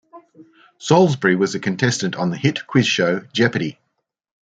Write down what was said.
Salisbury was a contestant on the hit quiz show Jeopardy!